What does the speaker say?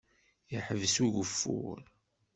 Iḥbes ugeffur.